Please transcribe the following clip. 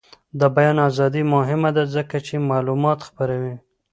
د بیان ازادي مهمه ده ځکه چې معلومات خپروي.